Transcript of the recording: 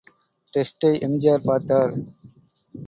டெஸ்டை எம்.ஜி.ஆர்.பார்த்தார்.